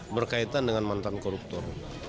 berkaitan dengan mantan koruptor